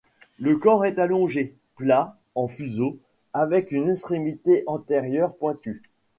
Le corps est allongé, plat, en fuseau, avec une extrémité antérieure pointue.